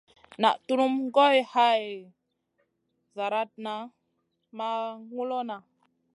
Naʼ tunum goy hay zlaratna ma ŋulona.